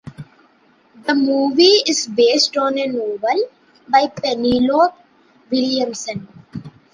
The movie is based on a novel by Penelope Williamson.